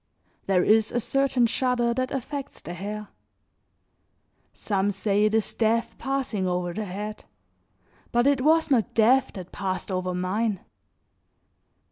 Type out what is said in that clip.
There is a certain shudder that affects the hair; some say it is death passing over the head, but it was not death that passed over mine.